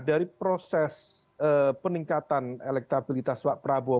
dari proses peningkatan elektabilitas pak prabowo